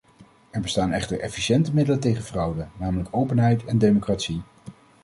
Er bestaan echter efficiënte middelen tegen fraude, namelijk openheid en democratie.